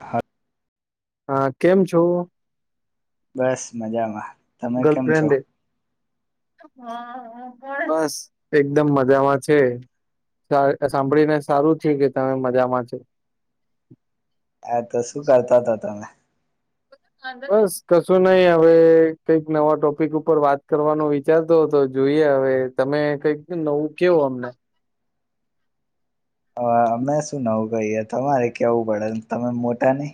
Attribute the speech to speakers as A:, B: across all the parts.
A: હા.
B: હા કેમ છો?
A: બસ મજામાં
B: ગર્લફ્રેન્ડે . બસ એકદમ મજામાં છે. સા સાંભળી ને સારું થીયુ કે તમે મજામાં છે.
A: હા તો શું કરતા હતા તમે?
B: [inaudible] બસ કશું નઈ હવે કઈક નવા ટોપિક ઉપર વાત કરવાનો વિચારતો હતો જોઈએ હવે તમે કઈક નવું કેવો અમને
A: અ અમે શું નવું કહીએ તમારે કેવું પડે તમે મોટા ની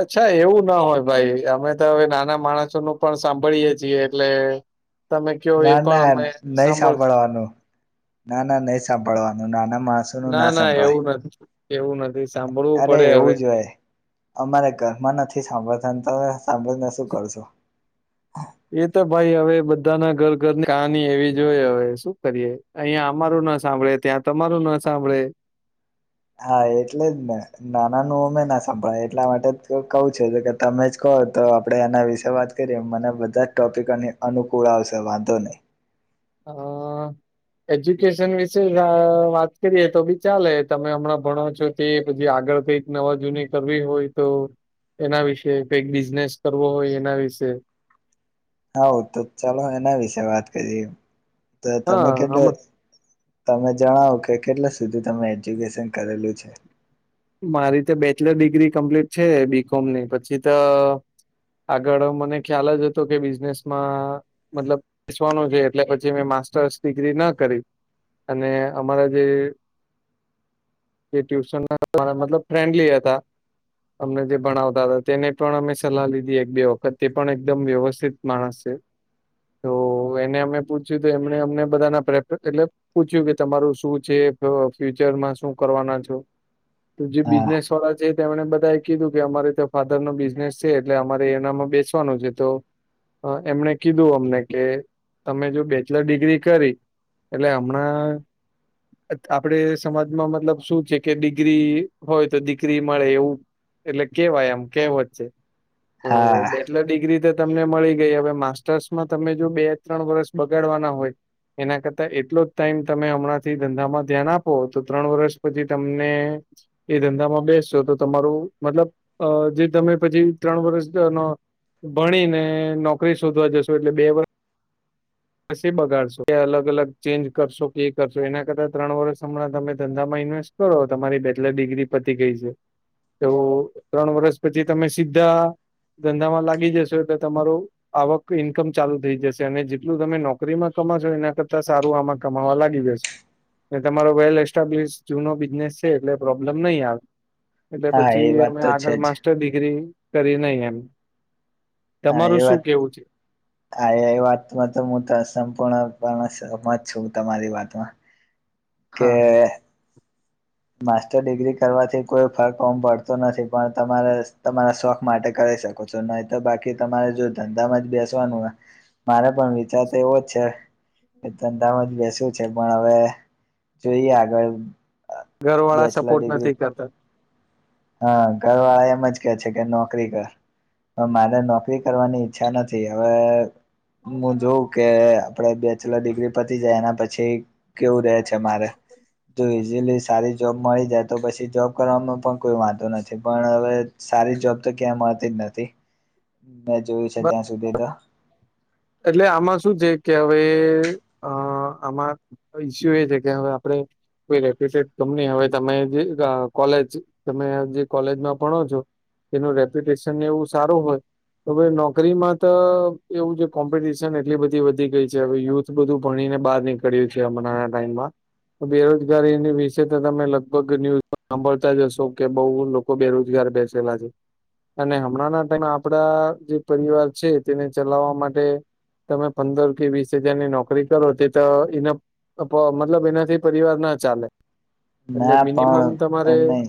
B: અચ્છા એવું ના હોય ભાઈ અમે તો હવે નાના માણસોનું પણ સાંભળીએ છીએ એટલે તમે કયો એ
A: ના
B: પણ
A: ના
B: અમે
A: નહી
B: સાંભળશું
A: સાંભળવાનું ના ના નહી સાંભળવાનું નાના માણસ
B: ના ના એવું નથી એવું નથી સાંભળવું
A: અરે
B: પડે હવે
A: એવું જ હોય અમારે ઘરમાં નથી સાંભળતા તમે સાંભળીને શું કરશો
B: એ તો ભાઈ હવે બધાના ઘર ઘરની કહાની એવી જ હોય હવે શુ કરીએ અહિયાં અમારું ન સાંભળે ત્યાં તમારું ન સાંભળે
A: હા એટલે જ ને નાના નુ અમે ના સંભળાય એટલા માટે કવું છે, કે તમે જ કહો તો આપડે એના વિશે વાત કરીએ મને બધા જ ટોપિકોને અનુકૂળ આવશે વાંધો નહી
B: હા. એજ્યુકેશન વિશે વા વાત કરીએ તો બી ચાલે તમે હમણાં ભણો છો તે પછી આગળ કઈક નવા જૂની કરવી હોય તો એના વિશે કઈક બિઝનેસ કરવો હોય એના વિશે
A: હા તો ચાલો એના વિશે વાત કરીએ તો
B: હા
A: તમે કેટલો
B: હમ-
A: તમે જણાવો કે કેટલા સુધી તમે એજ્યુકેશન કરેલું છે.
B: મારી તો બેચલર ડિગ્રી કમ્પ્લીટ છે, બી કોમની પછી તો આગળ મને ખ્યાલ જ હતો કે બિઝનેસમાં મતલબ પીસવાનું છે, એટલે પછી મેં માસ્ટર્સ ડિગ્રી ન કરી અને અમારા જે જે ટ્યુશન મતલબ ફ્રેન્ડલી હતા અમને જે ભણાવતા હતા તેને પણ અમે સલાહ લીધી એક બે વખત તે પણ એકદમ વ્યવસ્થિત માણસ છે, તો એને અમે પૂછ્યું તો એમને અમને બધાના [unintelligible] પૂછ્યું કે તમારું શું છે, ફ ફયુચરમાં શું કરવાના છો તુ જે
A: હા
B: બિઝનેસ વાળા જે તેમણે બધા એ કીધું કે અમારે તો ફાધર ન બિઝનેસ છે, એટલે અમારે એનામાં બેસવાનું છે, તો અ એમણે કીધું અમને કે તમે જો બેચલર ડિગ્રી કરી એટલે હમણાં આપડે સમાજમાં મતલબ શું છે. કે ડિગ્રી હોય તો દિકરી મળે એવું એટલે કેવાય એમ કેવત છે.
A: હા.
B: એટલે ડિગ્રી તો તમને મળી ગઈ હવે માસ્ટર્સમાં તમે જો બે ત્રણ વર્ષ બગાડવાના હોય એના કરતા એટલો જ ટાઈમ તમે હમણાં થી ધંધામાં ધ્યાન આપો તો ત્રણ વર્ષ પછી તમને એ ધંધામાં બેસશો તો તમારું મતલબ અ જે તમે પછી ત્રણ વરસ ધનો ભણી ને નોકરી શોધવા જશો એટલે બે વર પછી બગાડશો કે અલગ અલગ ચેન્જ કરશો કે એ કરશો એના કરતાં ત્રણ વરસ હમણાં તમે ધંધામાં ઇન્વેસ્ટ કરો તમારી બેચલર ડિગ્રી પતી ગઈ છે. તો ત્રણ વરસ પછી તમે સીધ્ધા ધંધામાં લાગી જશો એટલે તમારું આવક ઈન્કમ ચાલુ થઈ જશે અને જે એટલું તમે નોકરીમાં કમાશો એના કરતા સારું આમાં કમાવા લાગી જશ ને તમારો વેલ એસ્ટાબ્લિશ જૂનો બિઝનેસ છે એટલે પ્રોબ્લેમ નહી આવે. એટલે
A: હા એ
B: પછી
A: વાત
B: અમે
A: તો છે
B: આગળ
A: જ
B: માસ્ટર ડિગ્રી કરી નહી એમ.
A: હા એ
B: તમારું શું
A: વાત
B: કેવું છે?
A: હા એ વાતમાં તો હું ત સંપૂર્ણપણ સહમત છું તમારી વાતમાં. કે
B: હા
A: માસ્ટર ડિગ્રી કરવાથી કોઈ ફર્ક ઓંમ પડતો નથી પણ તમાર તમારા શોખ માટે કરી શકો છો નઈત તો બાકી તમારે જો ધંધામાં જ બેસવાનું હોય મારે પણ વિચાર તો એવો જ છે એ ધંધામાં જ બેસવું છે પણ હવે જોઈએ આગળ અ
B: ઘર વાળા
A: બેચલર
B: સપોર્ટ
A: ડિગ્રી
B: નથી કરતા
A: હા ઘરવાળા એમજ કે છે કે નોકરી કર. પણ મારે નોકરી કરવાની ઈચ્છા નથી હવે હું જોઉં કે આપડે બેચલર ડિગ્રી પતી જાય એના પછી કેવું રે છે મારે તો ઇઝીલી જોબ મળી જાય તો પછી જોબ કરવાનો પણ કોઈ વાંધો નથી પણ હવે સારી જોબ તો ક્યાંય મળતી જ નથી મેં જોયું છે ત્યાં સુધી તો.
B: એટલે આમાં શું છે કે હવે અ આમાં ઈસ્યુ એ છે કે હવે આપડે કોઈ રેપ્યુટેડ કંપની હવે તમે જે આ કોલેજ તમે જે કોલેજમાં ભણો છો એનું રેપ્યુટેશન એવું સારું હોય તો હવે નોકરીમાં તો એવું છે કોમ્પિટિશન એટલી બધી વધી ગઈ છે હવે યુથ બધું ભણી ને બહાર નીક કરીએ છે હમણાના ટાઈમમાં. બેરોજગારીની વિશે તો તમે લગભગ ન્યુઝ સાંભળતા જ હશો કે બહું લોક કો બેરોજગાર બેસેલા છે અને હમણાંના ટાઈમે આપડા જે પરિવાર છે તેને ચલાવવા માટે તમે પંદર કે વીસ હજારની નોકરી કરો તે તો ઇનફ તો મતલબ એનાથી પરિવાર ના ચાલે એટલે
A: ના
B: મિનિમમ
A: પણ એમ
B: તમારે
A: નહી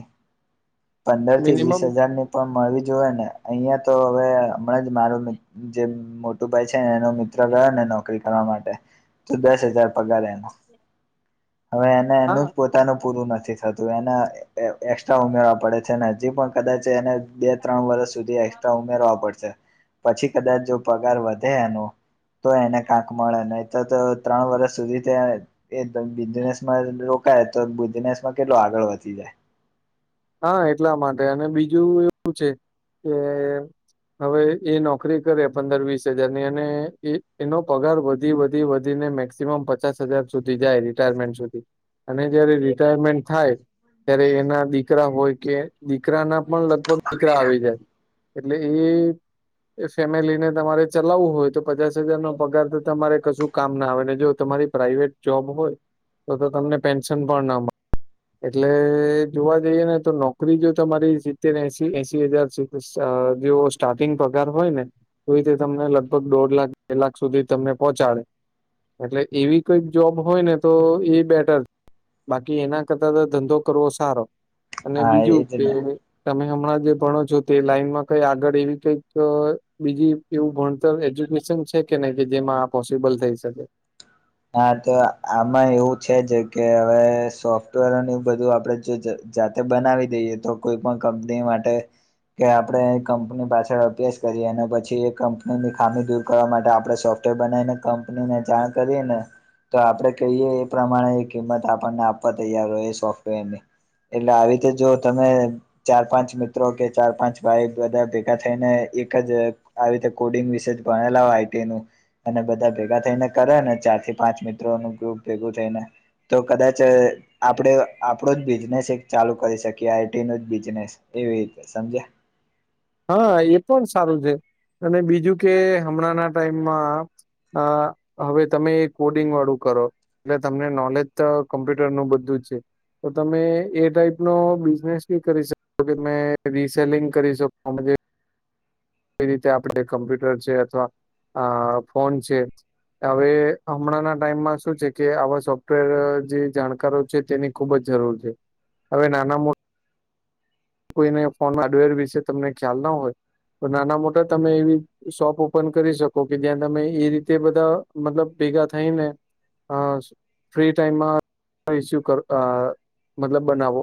A: પંદર થી
B: મિનિમમ
A: વીસ હજારની પણ મળવી જોએ ને અહિયાં તો હવે હમણાં જ મારો મિત જે મોટું ભાઈ છે એનો મિત્ર ગયો ને નોકરી કરવા માટે તો દસ હજાર પગાર એનો હવે એને
B: હા
A: એનું જ પોત તાનું પૂરું નથી થતું એને એ એક્સ્ટ્રા ઉમેરવા પડે છે ને હજી પણ કદાચ એને બે ત્રણ વરસ સુધી એસ્ટ્રા ઉમેરવા પડશે પછી કદાચ જો પગાર વધે એનો તો એને કાંક મળે નહી તો તો ત્રણ વરસ સુધી તે એ એ ધંધી ઝનેશ રોકાય તો બિઝનેસ માં કેટલો આગળ વધી જાય.
B: હા એટલા માટે અને બીજું એવું છે કે હવે એ નોકરી કરે પંદર વીસ હજારની અને એ એનો પગાર વધી વધી વધીને મેકસ ક્સિમમ પચાસ હજાર સુધી જાય રિટાયરમેન્ટ સુધી અને જયારે રિટાયરમેન્ટ થાય ત્યારે એના દીકરા હોય કે દીકરા ના પણ લગભગ દીકરા આવી જાય. એટલે એ એ ફેમિલીને તમારે ચલાવવું હોય તો પચાસ હજાર નો પગાર તો તમારે કશું કામ ના આવે ને જો તમારી પ્રાાઈવેટ જોબ હોય તો તો તમને પેન્શન પણ ના મળે એટલે જોવા જઈએ ને તો નોકરી જો તમારી સિતતેરને એસી એશી હજાર સી જે સ્ટાર્ટિંગ પગાર હોય ને તોય તે તમને લગભગ દોઢ લાખ કે લાખ સુધી તમને પહોંચાડે એટલે એવી કઈક જોબ હોય ને તો એ બેટર બાકી એના કદાચ ધંધો કરવો સારો અને
A: હા
B: બીજું
A: એજ
B: કે
A: ને
B: તમે હમણાં જે ભણો છો તે લાઈનમાં કઈ આગળ એવી કઈક બીજી એવું ભણતર એજ્યુકેશન છે કે નહી કે જેમાં આ પોસિબલ થઈ શકે
A: હા તો આમાં એવું છે જ કે હવે સોફ્ટવેરું બધું આપડ જો જાતે બનાવી દઈએ તો કોઈ પણ કંપની માટે કે આપણે એ કંપની પાછળ અભ્યાસ કરીએ અને પછી એ કંપનીની ખામી દૂર કરવા માટે આપણે સોફ્ટ બનાવીને કંપની ને જાણ કરી ને તો આપડણે કહીએ એ પ્રમાણે કિંમત આપણને આપવા તૈયાર હોય સોફ્ટવેર ની એટલે આવી રીતે જો તમે ચાર પાંચ મિત્રો કે ચાર પાંચ ભાઈ બધા ભેગા થઈને એક જ આવી રતે કોડિંગ વિશે ભણેલા હોય આઈ ન અને બધા ભેગા થઈને કરે ને ચારથી પાંચ મિત્રો નું ગ્રુપ ભેગું થઈ ને તો કદાચ આપણે આપણો જ બિઝનેસ એક ચાલુ કરી શકીએ આઈટી ન જ બિઝનેસ એવી રીતે સમજ્યા
B: હા એ પણ સારું છે અને બીજું કે હમણાં ના ટાઈમમાં આ હવે તમે એ કોડિંગ વાળું કરો એટલે તમને નોલેજ તો કોમ્પ્યુટર નું બધું જ છે તો તમે એ ટાઈપ નો બિઝનેસ ક કરી શકો કે તમે રીસેલિંગ કરી શકો અ જે. કઈ રીતે આપણે કમ્પ્યુટર છે અથવા અ ફોન છે. હવે હમણાં ના ટાઈમમાં શું છે કે આવા સોફ્ટવેર જે જાણકારો છે તેની. ખુબ જ જરૂર છે હવે નાના મોટા. કોઈને ફોન હાર્ડવેર વિશે તમને ખ્યાલ ના હોય તો નાના મોટા તમે એવી. શોપ ઓપન કરી શકો કે ત્યાં તમે એ રીતે બધા મતલબ ભેગા થાય ને. હ ફ્રી્રી ટાઈમમાં. ઇસ્યુ કર મતલબ બનાવો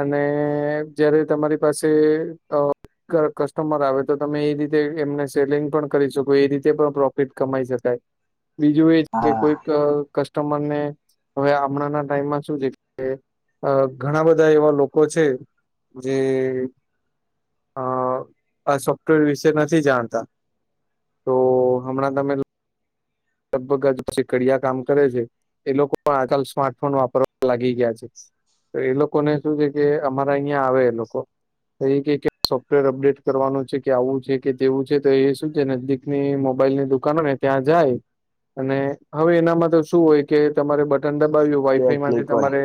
B: અને. જયારે તમારી પાસે અ. કસ્ટમર આવે તો તમે એ રીતે એમને સેલિંગ પણ કરી શકો એ રીતે પણ પ્રોફિટ કમાઈ શકાય. બીજું એ છે કે કોઈક
A: હા
B: કસ્ટમર ને. હવે હમણાંના ટાઈમમાં શું છે કે ઘણા બધા એવા લોકો છે. જે અ આ સોફ્ટવેર વિશે નથી જાણતા. તો હમણાં તમે. લગભગ સીકડીિયા કામ કરે છે એ લોકો પણ આજકાલ સ્માર્ટફોન વાપરવા લાગી ગયા છે. તો એ લોકોને શું છે કે અમારા અહિયાં આવે એ લોકો. તો એ ક ક સોફ્ટવેર અપડેટ કરવાનું છે કે આવું છે કે તેવું છે તો એ શું છે નક. ની મોબાઈલ ની દુકાનો ને ત્યાં જાય. અને હવે એનામાં તો શું હોય કે તમારે બટન દબાવ્યું
A: બે
B: વાઈફાઈ
A: ક્લિક
B: માંથી
A: હોય
B: તમારે.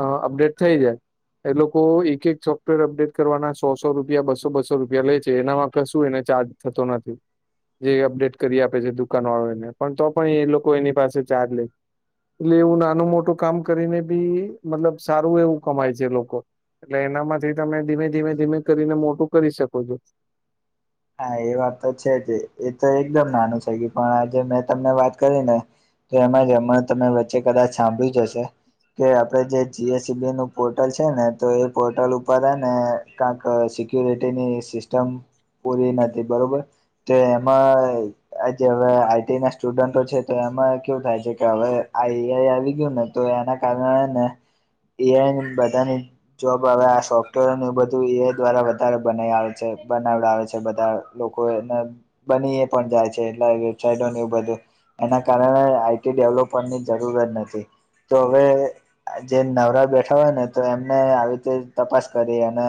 B: અ અપડેટ થઇ જાય. એ લોકો એક એક સોફ્ટવેર અપડેટ કરવાના સોસો રૂપિયા બસો બસો રૂપિયા લે છે એનામાં ક શું એને ચાર્જ. થતો નથી જે અપડેટ કરી આપે છે દુઃ. વાળો એને પણ તો પણ એ લોકો એની પાસે ચાર્જ લે. એટલે એવું નાનું મોટું કામ કરીને બી મતલબ સારું એવું કમાય છે લોકો. એટલે એનામાંથી તમે ધીમે ધીમે ધીમે કરીને મોટું કરી શકો છો.
A: હા એ વાત તો છે જ એ તો એકદમ નાનું છે કે પણ આજે મેં તમને વાત કરી ને. તો એમાં જમણ તમે વચ્ચે કદાચ સાંભળી જ હશે. કે આપડે જે જી એસ સી બી નું પોર્ટલ છે ને તો એ પોર્ટલ ઉપર આને. કંક સિકુરિટીની સિસ્ટમ પૂરી નથી બરોબર. તે એમાં. આજે હવે આઈટી ના સ્ટુડન્ટો છે તો એમાં કેવું થાય છે કે હવે. આઈ આઈ આવી ગયું ને તો એના કારણેને. ઈઆઈ બધાની જોબ હવે આ સોફ્ટવેર એ બધું ઈઆઈ દ્વારા. ત બના આવે છે બનાવડ આવે છે. બધા લોકો એ બની પણ જાય છે એટલે વડની બધ. એના કારણે આઈટી ડેવલોપની જરૂરત નથી તો હવે. જે નવરા બેઠા હોય ને તો એમને આવી રીતે તપાસ કરી અને.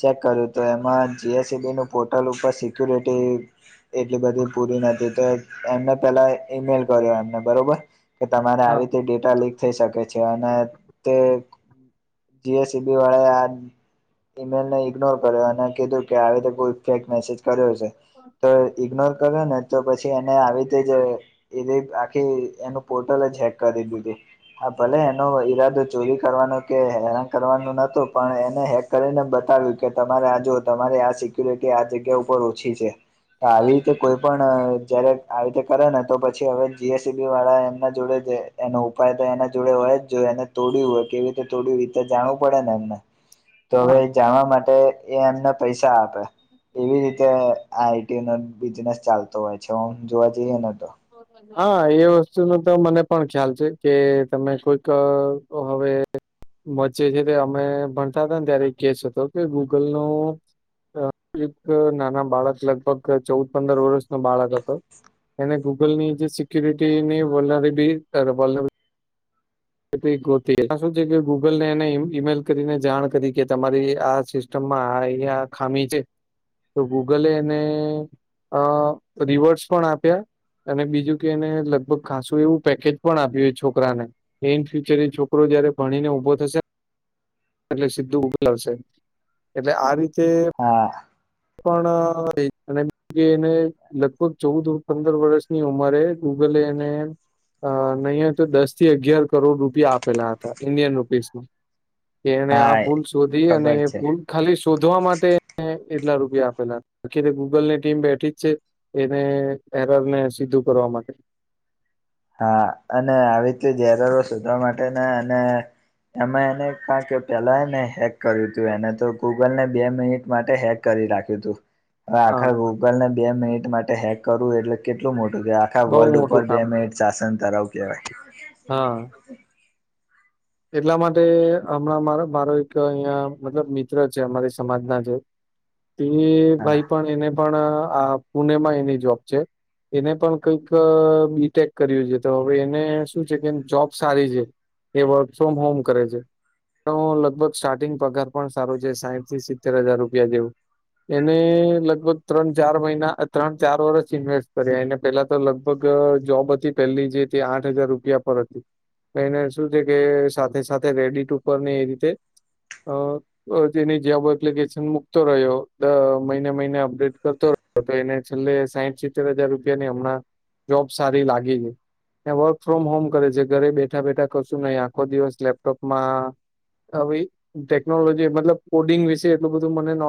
A: ચેક કર્યું તો એમાં જી એસ સી બી ન પોર્ટલ ઉપર સિક્યુરિટી એટલી બધી પૂરી નથી તો એમને પેલા ઈમેલ કર્યો એમને બરોબર. કે તમારે
B: હા
A: આવી ર તે ડેટા લીક થઈ શકે છે અને તે જી એસ સી બી વાળાએ આ ઈમેલને ઇગ્નોર કર્યો અને કીધું કે આવી રતે કોઈ ફેક મેસેજ કર્યો છે, તો ઈગ્નોર કર્યો ને તો પછી એને આવી રીતે જ એલે આખી એનું પોર્ટલ જ હેક કરી દીધું. હા ભલે એનો ઈરાદો ચોરી કરવાનો કે હેરાન કરવાનું નતું પણ એને હે કરીને બતાવ્યું કે તમારે આ જો તમારે આ સિક્યુરિટી આ જગ્યા ઉપર ઓછી છે, આવી રીતે કોઈ પણ જયારે આવી રીતે કરે ને તો પછી હવે જી એસ સી બી વાળા એમના જોડે જ એનો ઉપાય તો એના જોડે હોય જ જો એને તોડ્યું હોય કેવી રીતે તોડ્યું રીતે જાણવું પડે ને એમને. તો હવે
B: હા
A: જવા માટે એ એમને પૈસા આપે, એવી રીતે આ આઈ ટી નો બિઝનેસ ચાલતો હોય છે હ જોવા જઈએ નને તો.
B: હા એ વસ્તુ ન તો મને પણ ખ્યાલ છે કે તમે કોઈક હવે મ્ે છે તે અમે ભણતા હતા ને ત્યારે કેસ હતો કે ગૂગલ ન એક નાના બાળક લગભગ ચૌદ પંદર વર્ષ નો બાળક હતો. એને ગૂગલ ની જે સિક્યુરિટીની વલર બી વોલર શ છે કે ગૂગલ ને એને ઈમેલ કરીને જાણ કરી કે તમારી આ માં અહ ખામી છે, તો ગૂગલેને અ રિવર્સ પણ આપ્યા. અને બીજું કે એને લગભગ ખાસું એવું પેકેજ પણ આપ્યુંય છોકરાને. એ ઇન ફ્યુચર એ છોકરો જયારે ભણીને ઊભો થશે. એટલે સીધું ઉભલાવશે, એટલે આ રીતે
A: હા
B: પણ એને લગભગ ચૌદ પંદર વર્ષની ઉંમરે ગુગલ એને અ નહીં તો દસ થી અગિયાર કરોડ રૂપિયા આપેલા હતા ઇન્ડિયન રૂપીસ મા કે એને આ
A: હા
B: ભૂલ શોધી અને
A: ખબર છે
B: ભૂલ ખાલી શોધવા માટે અને એટલા રૂપિયા આપેલા આખીરે ગૂગલની ટીમ બેઠી જ છે એને એરર ને સીધું કરવા માટે
A: હા અને આવી રીતે જ અરરો સુધારવા માટે ને અને એમાં એને કારણ કે પેલા ને હે હ કરયુ તું એને તો ગૂગલને બે મિનિટ માટે હેક કરી રાખ્યું હતું અને
B: હા
A: આખા ગ્રુપ ગૂગલને બે મિનિટ માટે હેક કરવું એટલે કેટલું મોટું છે આખા
B: બહુ
A: વર્લ્ડ ઉપર
B: મોટું કામ
A: બે
B: છે
A: મિનિટ દાસન તરાવ કહેવાય
B: હા એટલા માટે હમણાં મારો મારો એક અહિયાં મતલબ મિત્ર છે અમારી સમાજના જે તે
A: હા
B: ભાઈ પણ એને પણ આ પુણેમાં એની જોબ છે એને પણ કઈક બીટેક કર્યું છે તો હવે એને શું છે કે જોબ સારી છે એ વર્ક ફ્રોમ હોમ કરે છે તો લગભગ સ્ટાર્ટિંગ પગાર પણ સારું છે સાહીઠ થી સિત્તેર હજાર રૂપિયા જેવું એને લગભગ ત્રણ ચાર મહિના ત્રણ ચાર વરષ ઇન્વેસ્ટ કર્યા એને પેલા તો લગભગ જોબ હતી પેલી જે તે આઠ હજાર રૂપિયા પર હતી એને શું છે કે સાથે સાથે રેડી ટુ ઉપર ને એ રીતે અ તેની જબ એપ્લિકેશન મૂકતો રહ્યો મહિને મહિને અપડેટ કરતો રહ્યો તો તો એને છેલ્લે સાઠ સિત્તેર હજાર રૂપિયા ની હમણાં જોબ સારી લાગી છે એ વર્ક ફ્રોમ હોમ કરે છે ઘરે બેઠા બેઠા કશું નહી આખો દિવસ લેપટોપમાં હ ટેકનોલોજી મતલબ કોડિંગ વિશે એટલું બધું મને ન